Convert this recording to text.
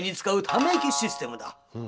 「ため息システム？」。